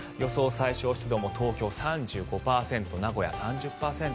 最小湿度も東京、３５％名古屋、３０％。